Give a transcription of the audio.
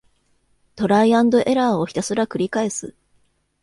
トライアンドエラーをひたすらくりかえす